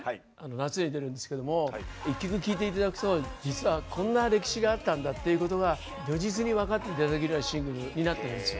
夏に出るんですけども一曲聴いて頂くと実はこんな歴史があったんだっていうことが如実に分かって頂けるようなシングルになってるんですよ。